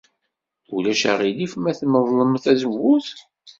Ulac aɣilif ma tmedlem tazewwut?